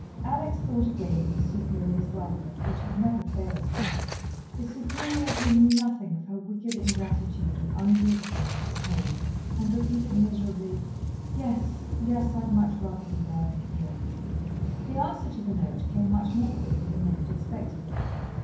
Alex thought again of the Superior's welcome, which had never failed her the Superior who knew nothing of her wicked ingratitude and undutifulness at home, and repeated miserably: "Yes, yes, I'd much rather be there than here." The answer to the note came much more quickly than they had expected it.